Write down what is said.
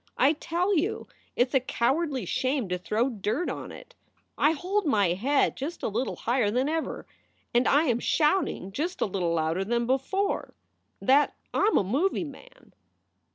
I tell you it s a cowardly shame to throw dirt on it. I hold my head just a little higher than ever, and I am shouting just a little louder than before, that I m a movie man."